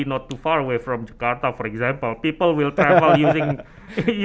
saya percaya bahwa jika bali tidak terlalu jauh dari jakarta misalnya